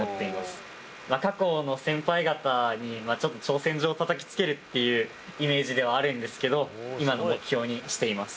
過去の先輩方に挑戦状をたたきつけるっていうイメージではあるんですけど今の目標にしています。